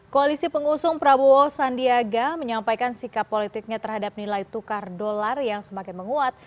koalisi pengusung prabowo sandiaga menyampaikan sikap politiknya terhadap nilai tukar dolar yang semakin menguat